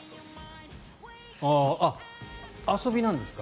遊びなんですか？